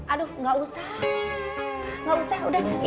aduh gak usah